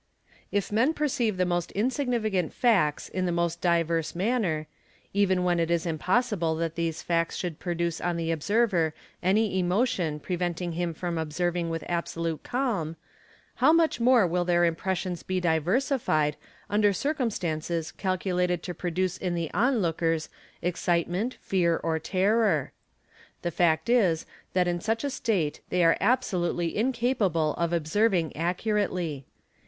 If men perceive the most insignificant facts in the most diverse manner, even when it is impossible that these facts should produce on | the observer any emotion preventing him from observing with absolute calm; how much more will their impressions be diversified under cir cumstances calculated to produce in the onlookers excitement, fear, or terror. The fact is that in a such a state they are absolutely incapable of observing accurately.